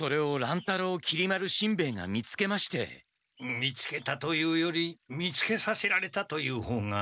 見つけたというより見つけさせられたという方が。